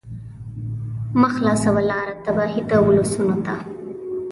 مه خلاصوه لاره تباهۍ د ولسونو ته